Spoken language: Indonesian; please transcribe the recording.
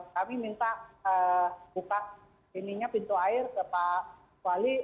kami minta buka pintu air ke pak wali